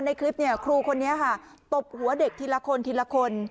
ในคลิปเนี่ยครูคนนี้ค่ะตบหัวเด็กทีละคนทีละคน